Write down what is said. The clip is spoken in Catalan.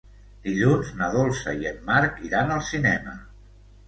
Dilluns na Dolça i en Marc iran al cinema.